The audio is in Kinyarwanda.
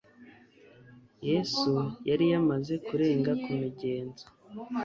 Yesu yari yamaze kurenga ku migenzo